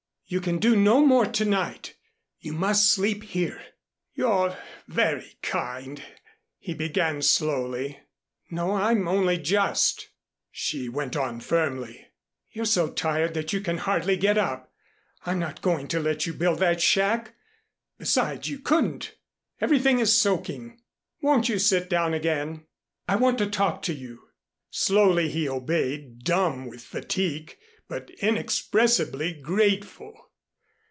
"You can do no more to night. You must sleep here." "You're very kind," he began slowly. "No I'm only just " she went on firmly. "You're so tired that you can hardly get up. I'm not going to let you build that shack. Besides, you couldn't. Everything is soaking. Won't you sit down again? I want to talk to you." Slowly he obeyed, dumb with fatigue, but inexpressibly grateful.